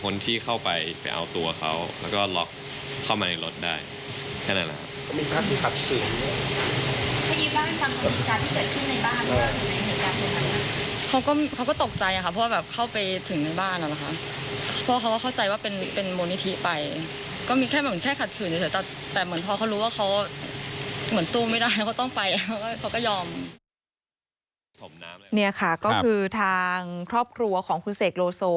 นี่ค่ะก็คือทางครอบครัวของคุณเสกโลโซ